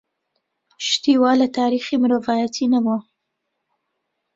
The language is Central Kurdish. شتی وا لە تاریخی مرۆڤایەتی نەبووە.